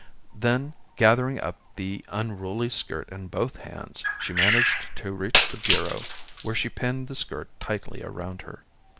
Then, gathering up the unruly skirt in both hands, she managed to reach the bureau where she pinned the skirt tightly around her.